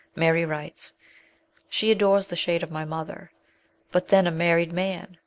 Mary writes :" She adores the shade of my mother. But then a married man !